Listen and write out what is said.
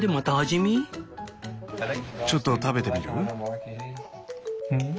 ちょっと食べてみる？